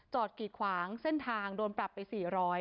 กีดขวางเส้นทางโดนปรับไป๔๐๐